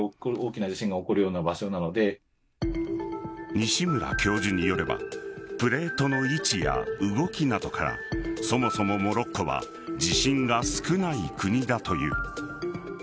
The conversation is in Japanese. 西村教授によればプレートの位置や動きなどからそもそも、モロッコは地震が少ない国だという。